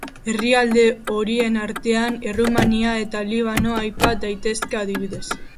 Herrialde horien artean Errumania eta Libano aipa daitezke, adibidez.